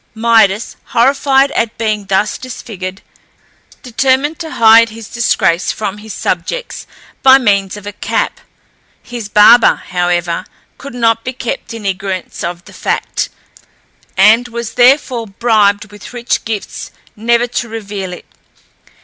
Midas, horrified at being thus disfigured, determined to hide his disgrace from his subjects by means of a cap; his barber, however, could not be kept in ignorance of the fact, and was therefore bribed with rich gifts never to reveal it.